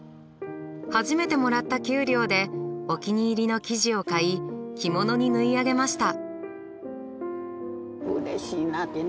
初めてもらった給料でお気に入りの生地を買い着物に縫い上げました。